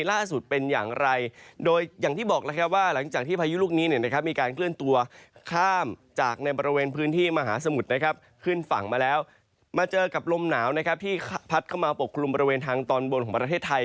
และปกคลุมบริเวณทางตอนบนของประเทศไทย